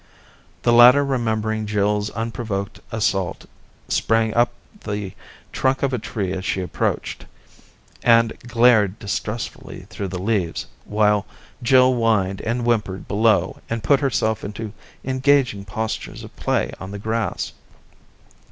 The latter remembering Jill's unprovoked assault sprang up 181 the trunk of a tree as she approached, and glared distrustfully through the leaves, while Jill whined and whimpered below, and put herself into engaging postures of play on the grass.